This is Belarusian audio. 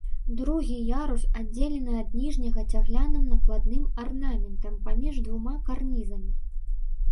Другі ярус аддзелены ад ніжняга цагляным накладным арнаментам паміж двума карнізамі.